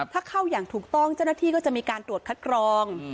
ถ้าเข้าอย่างถูกต้องเจ้าหน้าที่ก็จะมีการตรวจคัดกรอง